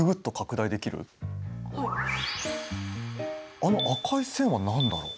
あの赤い線は何だろう？